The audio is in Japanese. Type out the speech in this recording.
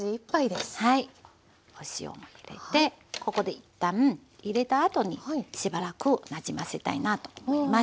お塩も入れてここで一旦入れたあとにしばらくなじませたいなと思います。